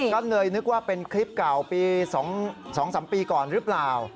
ก็เลยนึกว่าเป็นคลิปเก่าปี๒๓ปีก่อนหรือเปล่า